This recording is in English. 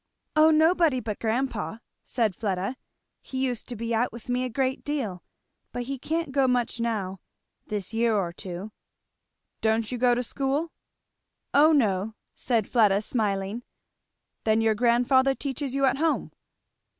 "Oh nobody but grandpa," said Fleda. "He used to be out with me a great deal, but he can't go much now, this year or two." "Don't you go to school?" "O no!" said Fleda smiling. "Then your grandfather teaches you at home?"